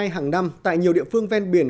hàng năm tại nhiều địa phương ven biển